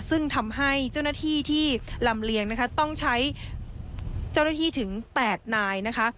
ซึ่งทำให้เจ้าหน้าที่ที่ลำเลียงนะคะต้องใช้เจ้าหน้าที่ถึง๘นายนะคะ